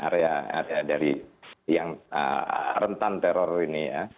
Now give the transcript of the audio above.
area area dari yang rentan teror ini ya